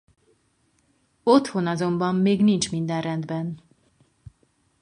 Otthon azonban még nincs minden rendben.